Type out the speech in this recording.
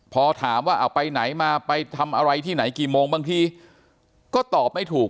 พอถามว่าเอาไปไหนมาไปทำอะไรที่ไหนกี่โมงบางทีก็ตอบไม่ถูก